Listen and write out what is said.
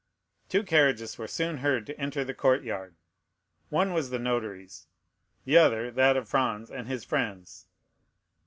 Two carriages were soon heard to enter the courtyard. One was the notary's; the other, that of Franz and his friends.